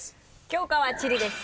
教科は地理です。